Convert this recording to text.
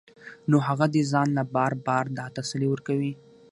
نو هغه دې ځان له بار بار دا تسلي ورکوي